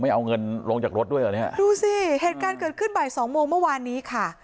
เอาเงินลงจากรถด้วยเหรอเนี้ยดูสิเหตุการณ์เกิดขึ้นบ่ายสองโมงเมื่อวานนี้ค่ะ